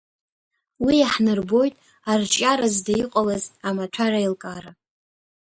Уи иаҳнарбоит арҿиара зда иҟалаз амаҭәар аилкаара…